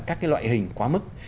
các cái loại hình quá mức